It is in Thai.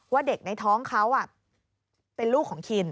ว่าเด็กในท้องเขาเป็นลูกของคิน